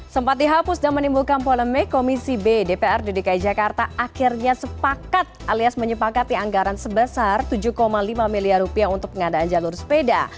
sempat dihapus dan menimbulkan polemik komisi b dprd dki jakarta akhirnya sepakat alias menyepakati anggaran sebesar tujuh lima miliar rupiah untuk pengadaan jalur sepeda